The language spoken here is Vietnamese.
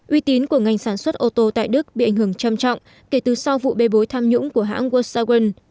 uy tín của ngành sản xuất ô tô tại đức bị ảnh hưởng trầm trọng kể từ sau vụ bê bối tham nhũng của hãng worldsowon